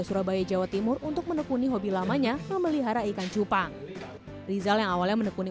surabaya jawa timur untuk menekuni hobi lamanya memelihara ikan cupang rizal yang awalnya menekuni